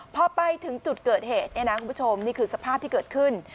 พอไปถึงจุดเกิดเหตุเนี่ยนะคุณผู้ชมนี่คือสภาพที่เกิดขึ้น